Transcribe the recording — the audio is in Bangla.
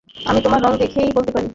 আমি তোমার রঙ দেখেই বলতে পারি।